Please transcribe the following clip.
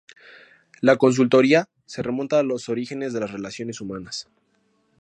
La consultoría se remonta a los orígenes de las relaciones humanas.